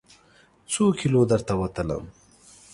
څوکیلو درته وتلم؟